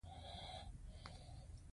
آیا د پښتنو طنزونه ډیر خندونکي نه دي؟